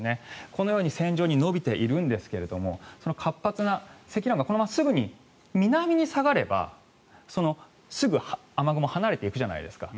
このように線上に延びているんですが活発な積乱雲がこのまま南に下がればすぐ雨雲が離れていくじゃないですか。